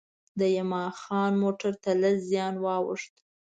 د یما خان موټر ته لږ زیان وا ووښت.